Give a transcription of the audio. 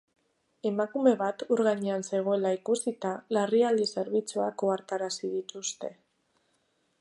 Emakume bat ur gainean zegoela ikusita, larrialdi zerbitzuak ohartarazi dituzte.